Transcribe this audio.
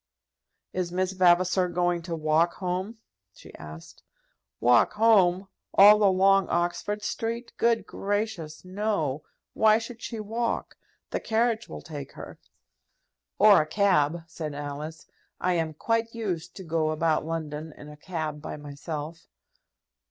"Is Miss Vavasor going to walk home?" she asked. "Walk home; all along Oxford Street! Good gracious! no. Why should she walk? The carriage will take her." "Or a cab," said Alice. "I am quite used to go about London in a cab by myself."